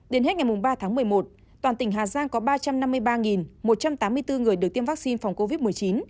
đến hết ngày ba tháng một mươi một toàn tỉnh hà giang có ba trăm năm mươi ba một trăm tám mươi bốn người được tiêm vaccine phòng covid một mươi chín